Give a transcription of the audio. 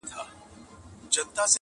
په خپل شعر او ستا په ږغ یې ویښومه!